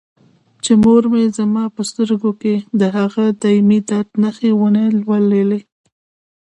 چې مور مې زما په سترګو کې د هغه دایمي درد نښې ونه لولي.